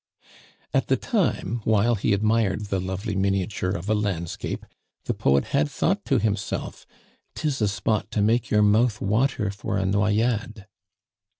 At the time while he admired the lovely miniature of a landscape, the poet had thought to himself, "'Tis a spot to make your mouth water for a noyade."